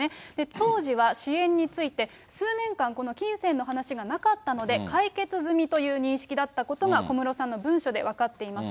当時は支援について、数年間この金銭の話がなかったので、解決済みという認識だったことが小室さんの文書で分かっています。